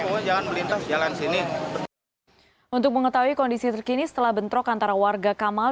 jangan melintas jalan sini untuk mengetahui kondisi terkini setelah bentrok antara warga kamal